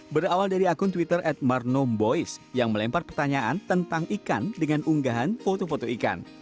berawal dari akun twitter at marno boys yang melempar pertanyaan tentang ikan dengan unggahan foto foto ikan